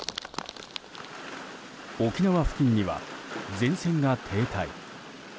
沖縄付近には前線が停滞。